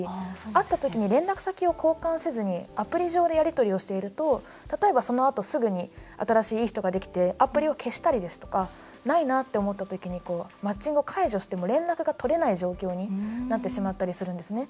会った時に連絡先を交換せずにアプリ上でやり取りをしていると例えば、そのあとすぐに新しい、いい人ができてアプリを消したりですとかないなって思った時にマッチングを解除しても連絡が取れない状況になってしまったりするんですね。